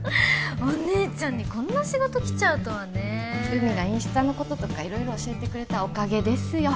お姉ちゃんにこんな仕事きちゃうとはね留美がインスタのこととか色々教えてくれたおかげですよ